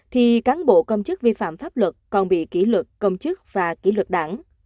thì cán bộ công chức vi phạm pháp luật còn bị kỷ luật công chức và kỷ luật đảng